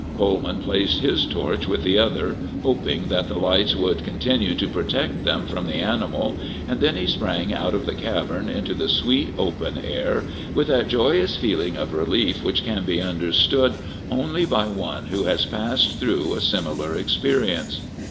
Coleman placed his torch with the other, hoping that the lights would continue to protect them from the animal and then he sprang out of the cavern into the sweet open air, with that joyous feeling of relief which can be understood only by one who has passed through a similar experience.